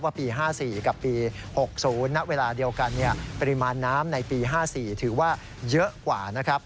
ปี๕๔กับปี๖๐ณเวลาเดียวกันปริมาณน้ำในปี๕๔ถือว่าเยอะกว่านะครับ